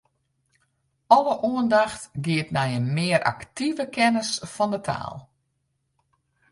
Alle oandacht giet nei in mear aktive kennis fan 'e taal.